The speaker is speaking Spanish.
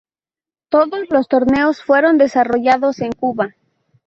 Todos los torneos fueron desarrollados en Cuba.